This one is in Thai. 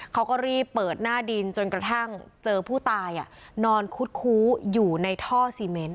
เขาก็รีบเปิดหน้าดินจนกระทั่งเจอผู้ตายนอนคุดคู้อยู่ในท่อซีเมนต